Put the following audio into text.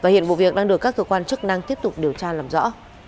hiện vụ việc đang được các cơ quan chức năng tiếp tục điều tra làm rõ